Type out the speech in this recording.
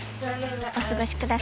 お過ごしください